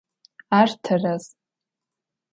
Ar terez.